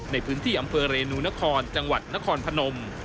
ในพื้นที่อำเภอเรนูนครจังหวัดนครพนม